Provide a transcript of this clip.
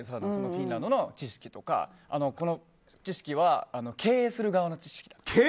フィンランドの知識とかこの知識は、経営する側の知識で。